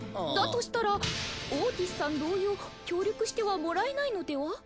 だとしたらオーティスさん同様協力してはもらえないのでは？